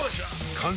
完成！